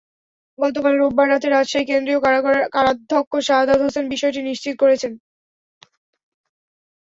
গতকাল রোববার রাতে রাজশাহী কেন্দ্রীয় কারাগারের কারাধ্যক্ষ শাহাদাত হোসেন বিষয়টি নিশ্চিত করেছেন।